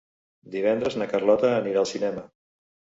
Divendres na Carlota anirà al cinema.